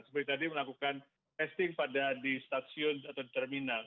seperti tadi melakukan testing pada di stasiun atau di terminal